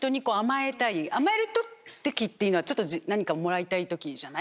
甘える時っていうのはちょっと何かをもらいたい時じゃない？